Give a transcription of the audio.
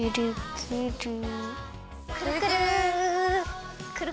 くるくるくるくる。